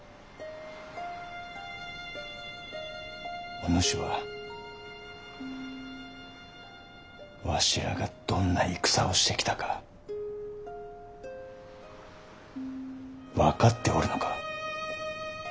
お主はわしらがどんな戦をしてきたか分かっておるのか？